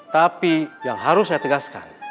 tapi yang harus saya tegaskan